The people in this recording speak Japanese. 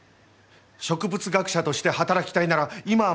植物学者として働きたいなら今は満州がある！